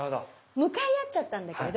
向かい合っちゃったんだけどこれはね